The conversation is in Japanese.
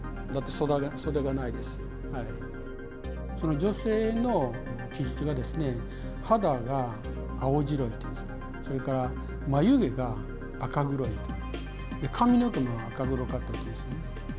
女性の記述が肌が青白いそれから眉毛が赤黒い髪の毛も赤黒かった。